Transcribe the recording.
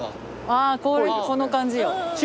あぁこの感じよ。